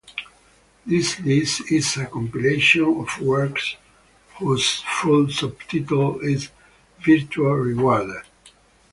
This list is a compilation of works whose full subtitle is "Virtue Rewarded".